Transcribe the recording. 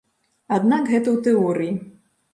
Аднак гэта ў тэорыі.